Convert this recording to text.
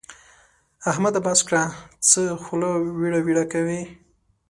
احمده! بس کړه؛ څه خوله ويړه ويړه کوې.